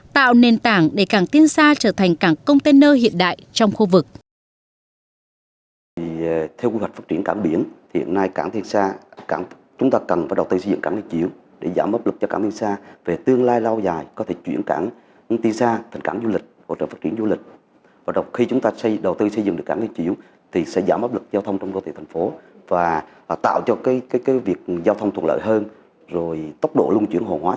tạo nền tảng để cảng tiên xa trở thành cảng container hiện đại trong khu vực